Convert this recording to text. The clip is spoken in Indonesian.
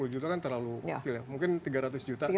sepuluh juta kan terlalu kecil ya mungkin tiga ratus juta